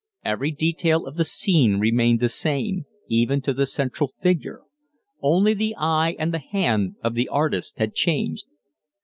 Every detail of the scene remained the same, even to the central figure; only the eye and the hand of the artist had changed.